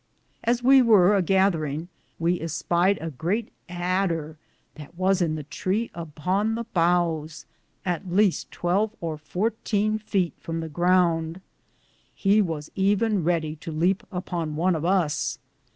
As we were a gatheringe we espied a great Ader that was in the tre upon the bowes, at least 12 or 14 foute from the grounde. He was even Reddie to leape upon one of us.